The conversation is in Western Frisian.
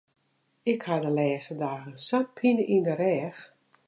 Ik ha de lêste dagen sa'n pine yn de rêch.